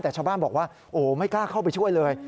แต่ชาวบ้านบอกว่าโอ้ไม่กล้าเข้าไปช่วยเลย